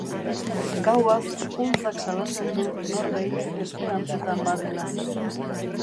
Gauaz huntzak salatzen du norbeit espeantzetan badela.